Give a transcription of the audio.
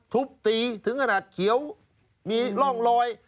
ทุบตีถึงขนาดเขียวมีร่องรอย